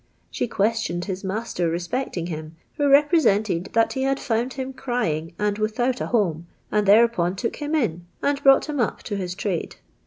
She questioned his master respecting him, who represented that he had found him crying and without a home, and thereapon tonk him in. and brought liim up to iiis trade.